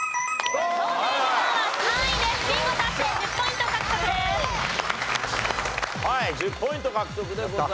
１０ポイント獲得でございます。